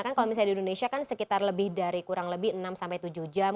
kan kalau misalnya di indonesia kan sekitar lebih dari kurang lebih enam sampai tujuh jam